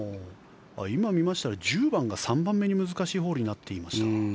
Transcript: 今見ましたら１０番が３番目に難しいホールになっていました。